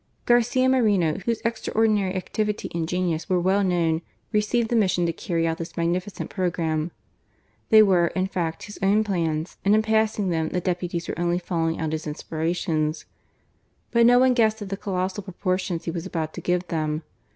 Garcia Moreno, whose extraordinary activity and genius were well known, received the mission to carry out this magnificent programme. They were, in fact, his own plans, and in passing them the deputies were only following out his inspirations ; but no one guessed at the colossal proportions he was about to give to them.